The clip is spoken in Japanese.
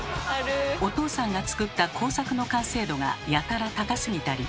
お父さんが作った工作の完成度がやたら高すぎたり。